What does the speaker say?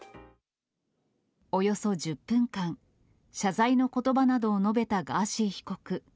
およそ１０分間、謝罪のことばなどを述べたガーシー被告。